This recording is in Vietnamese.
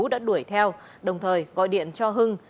đã đuổi theo đồng thời gọi điện cho hưng